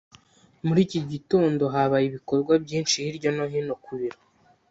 Muri iki gitondo habaye ibikorwa byinshi hirya no hino ku biro.